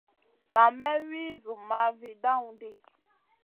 Nan may wi Zumma vi dawn ɗi.